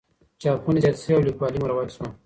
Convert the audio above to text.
چاپخونې زياتې شوې او ليکوالۍ مروج شوه.